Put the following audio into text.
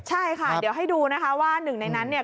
ใช่ค่ะเดี๋ยวให้ดูนะคะว่าหนึ่งในนั้นเนี่ย